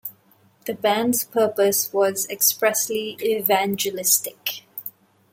The band's purpose was expressly evangelistic.